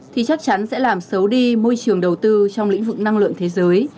thì chắc chắn sẽ làm xấu đi môi trường đầu tư trong lĩnh vực năng lượng thế giới